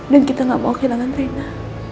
dan kita gak mau kehilangan rina